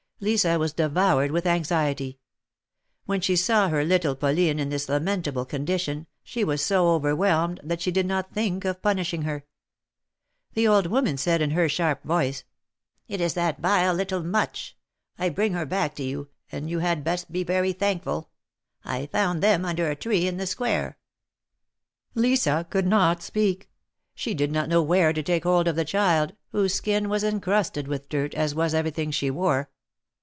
Lisa was devoured with anxiety. When she saw her little Pauline in this lamentable condition she was so over whelmed that she did not think of punishing her. The old woman said in her sharp voice ;" It is that vile little Much. I bring her back to you, and you had best be very thankful. I found them under a tree on the Square." Lisa could not speak. She did not know where to take hold of the child, whose skin was encrusted with dirt, as was everything she wore.